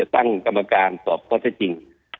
ตั้งกรรมการสอบเพราะที่จริง